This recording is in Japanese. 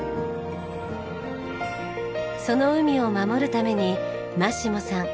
その海を守るためにマッシモさん